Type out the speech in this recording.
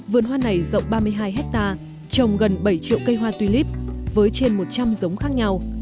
vườn hoa này rộng ba mươi hai hecta trồng gần bảy triệu cây hoa tulip với trên một trăm linh giống khác nhau